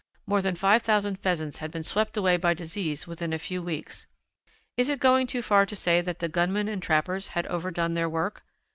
More than five thousand Pheasants had been swept away by disease within a few weeks. Is it going too far to say that the gunmen and trappers had overdone their work?